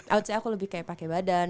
i would say aku lebih kayak pake badan